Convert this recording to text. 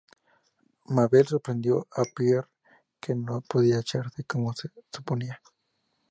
Mabel sorprendió a Pierre, que no podía echarse como se suponía.